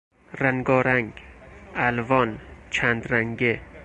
رنگارنگ، الوان، چند رنگه